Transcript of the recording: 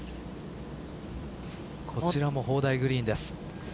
こちらも砲台グリーンです。